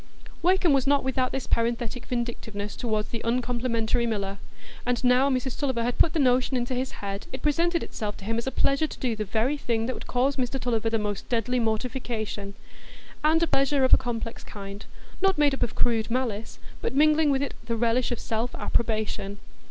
Wakem was not without this parenthetic vindictiveness toward the uncomplimentary miller; and now Mrs Tulliver had put the notion into his head, it presented itself to him as a pleasure to do the very thing that would cause Mr Tulliver the most deadly mortification,—and a pleasure of a complex kind, not made up of crude malice, but mingling with it the relish of self approbation.